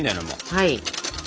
はい。